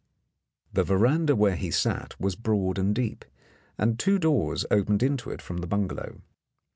The veranda where he sat was broad and deep, and two doors opened into it from the bungalow.